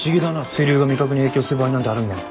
水流が味覚に影響する場合なんてあるんだな。